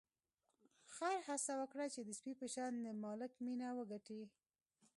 خر هڅه وکړه چې د سپي په شان د مالک مینه وګټي.